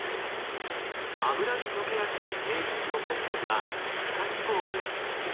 脂に溶けやすい性質のＰＯＰｓは皮下脂肪に蓄積。